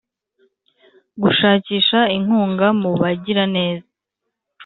Gushakisha inkunga mu bagiraneza